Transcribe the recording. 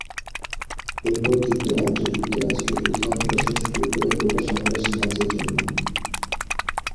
এরপর যুক্তরাজ্য-যুক্তরাষ্ট্র যৌথ অপারেশন শুরু করে গোটা শহরের সাহায্যের জন্য।